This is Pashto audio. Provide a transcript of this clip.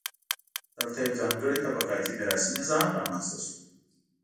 دلته یو ځانګړی طبقاتي میراثي نظام رامنځته شو.